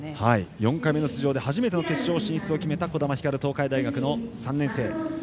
４回目の出場で初めての決勝進出を決めた児玉ひかる、東海大学３年生。